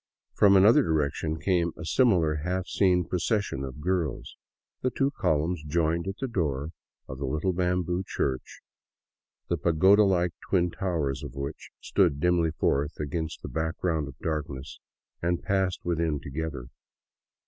From another direction came a similar half seen procession of girls; the two columns joined at the door of the little bamboo church, the pagoda like twin towers of which stood dimly forth against the background of darkness, and passed within together.